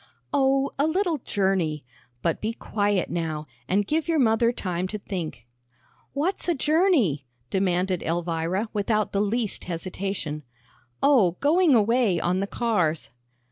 "Oh, a little journey. But be quiet now, and give your mother time to think." "What's a journey?" demanded Elvira, without the least hesitation. "Oh, going away on the cars."